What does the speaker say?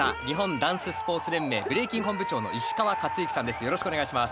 ダンススポーツ連盟ブレイキン本部長の石川勝之さんです。